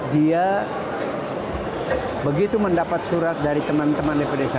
dia begitu mendapat surat dari teman teman dpd satu